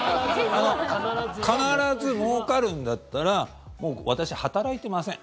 必ずもうかるんだったらもう私、働いてません。